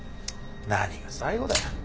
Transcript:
何が最後だよ